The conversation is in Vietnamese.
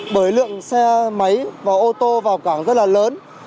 bởi lượng xe máy và ô tô vào cảng rất là lớn